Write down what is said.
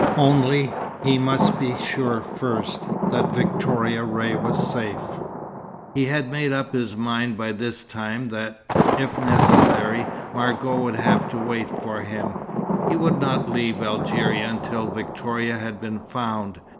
Only, he must be sure first that Victoria Ray was safe. He had made up his mind by this time that, if necessary, Margot would have to wait for him. He would not leave Algeria until Victoria had been found.